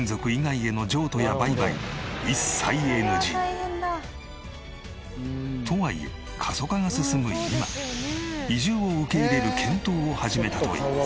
半世紀にわたりとはいえ過疎化が進む今移住を受け入れる検討を始めたという。